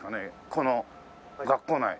この学校内。